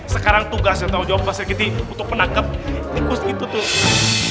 sekarang tugas bertawop mas giti untuk menangkep tikus itu tuh